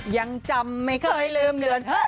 ยังจำไม่เคยลืมเรือน